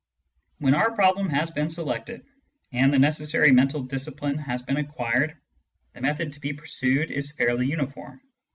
When our problem has been selected, and the necessary mental discipline has been acquired, the method to be pursued is fairly uniform.